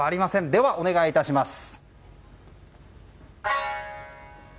では、お願い致します。